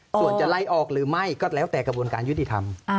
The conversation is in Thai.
ส่วนจะไล่ออกหรือไม่ก็แล้วแต่กระบวนการยุติธรรม